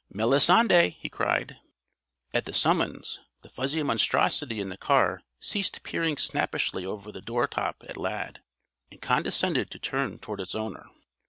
"Melisande!" he cried. At the summons, the fuzzy monstrosity in the car ceased peering snappishly over the doortop at Lad, and condescended to turn toward its owner.